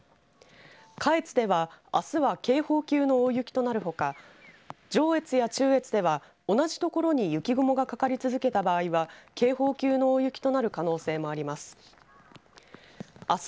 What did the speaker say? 下越では、あすは警報級の大雪となるほか上越や中越では同じ所に雪雲がかかり続けた場合は警報級の大雪となる可能性もあります。